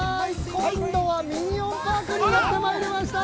今度はミニオンパークにやってまいりました。